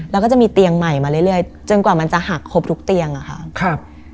แล้วก็จะมีเตียงใหม่มาเรื่อยจนกว่ามันจะหักครบทุกเตียงอะค่ะครับ